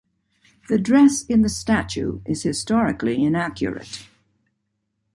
The dress in the statue is historically inaccurate.